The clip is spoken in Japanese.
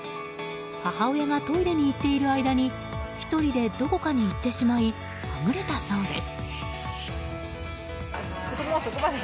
母親がトイレに行っている間に１人でどこかに行ってしまいはぐれたそうです。